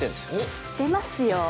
知ってますよ。